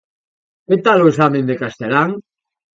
Que tal o exame de Castelán?